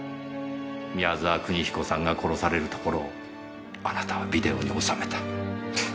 宮澤邦彦さんが殺されるところをあなたはビデオに収めた。